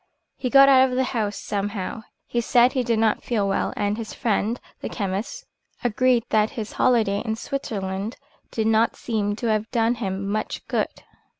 He got out of the house somehow. He said he did not feel well, and his friend, the chemist, agreed that his holiday in Switzerland did not seem to have done him much good.